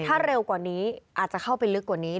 ถ้าเร็วกว่านี้อาจจะเข้าไปลึกกว่านี้